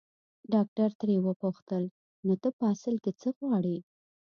ډاکټر ترې وپوښتل نو ته په اصل کې څه غواړې.